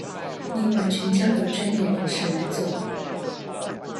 應完全交由專業人士來做